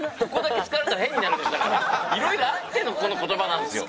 いろいろあってのこの言葉なんですよ。